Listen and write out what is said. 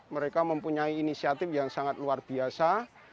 mereka mempunyai inisiatif yang sangat luar biasa